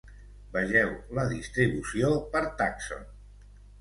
Vegeu la distribució per tàxon.